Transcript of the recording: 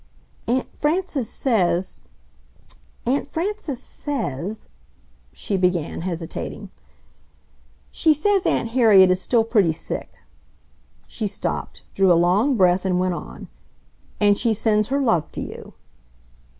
"Aunt Frances says, ... Aunt Frances says, ..." she began, hesitating. "She says Aunt Harriet is still pretty sick." She stopped, drew a long breath, and went on, "And she sends her love to you."